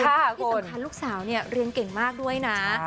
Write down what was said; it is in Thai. สำคัญลูกสาวเรียนเก่งมากด้วยนะ